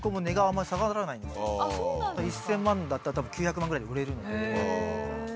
１，０００万だったらたぶん９００万ぐらいで売れる。